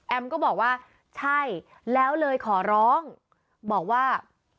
ก็บอกว่าใช่แล้วเลยขอร้องบอกว่า